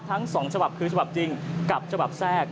๒ฉบับคือฉบับจริงกับฉบับแทรก